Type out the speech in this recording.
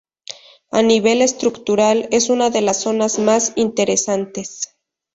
A nivel estructural, es una de las zonas más interesantes.